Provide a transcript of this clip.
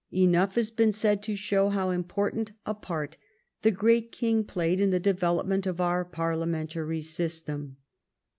Enough has been said to show how important a part the great king played in the development of our parlia mentary system.